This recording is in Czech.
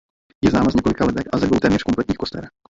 Je známa z několika lebek a ze dvou téměř kompletních koster.